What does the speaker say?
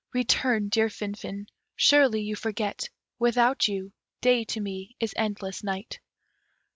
Return, dear Finfin; surely you forget Without you, day to me is endless night!